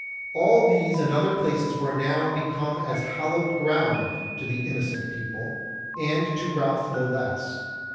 All these and other places were now become as hallowed ground to the Innocent People, and to Ralph no less.